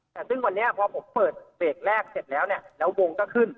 แต่ซึ่งวันนี้พอผมเปิดเบรกแรกเสร็จแล้วเนี่ยแล้ววงก็ขึ้น